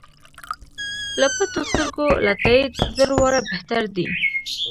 له پټو سترګو له تاییده زر واره بهتر دی.